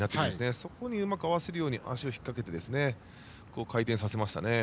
そこにうまく合わせるように足を引っ掛けて回転させましたね。